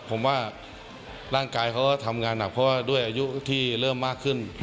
ผมว่าร่างกายเขาทำงานด้วยอายุที่เริ่มมากขึ้น